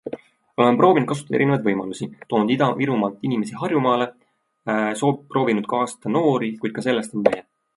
Oleme proovinud kasutada erinevaid võimalusi - toonud Ida-Virumaalt inimesi Harjumaale, proovinud kaasta noori, kuid ka sellest on vähe.